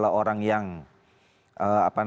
dan yang yang lain ronald f richer